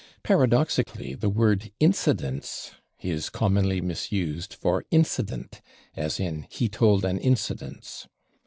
Paradoxically, the word /incidence/ is commonly misused for /incident/, as in "he told an /incidence